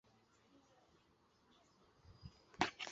瓦尔斯莱本是德国勃兰登堡州的一个市镇。